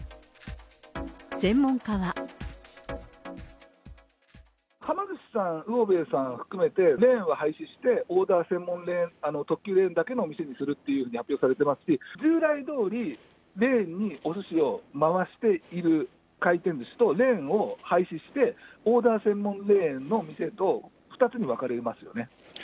専門家は。はま寿司さん、魚べえさん含めて、レーンは廃止して、オーダー専門で、特急レーンだけのお店にするって発表されていますし、従来どおり、レーンにおすしを回している回転ずしと、レーンを廃止して、オーダー専門レーンの店と２つに分かれますよね。